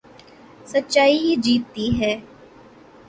سچائی ہی جیتتی ہے